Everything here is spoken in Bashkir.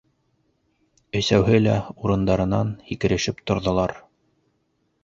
Өсәүһе лә урындарынан һикерешеп торҙолар.